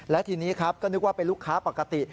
และทีนี้ครับก็นึกว่าเป็นลูกค้าปกติ